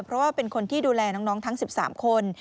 เพราะว่าเป็นคนที่ดูแลน้องทั้ง๑๓คน